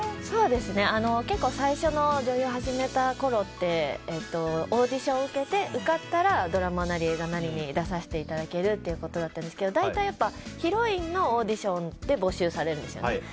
最初の女優を始めたころってオーディション受けて受かったらドラマなり映画なりに出させていただけるってことだったんですけど大体、ヒロインのオーディションで募集されるんですよね。